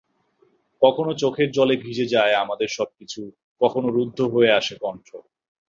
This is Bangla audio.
কখনো চোখের জলে ভিজে যায় আমাদের সবকিছু, কখনো রুদ্ধ হয়ে আসে কণ্ঠ।